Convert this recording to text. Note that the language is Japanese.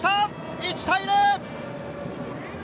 １対０。